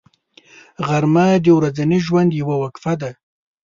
غرمه د ورځني ژوند یوه وقفه ده